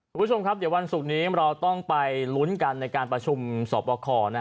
คุณผู้ชมครับเดี๋ยววันศุกร์นี้เราต้องไปลุ้นกันในการประชุมสอบคอ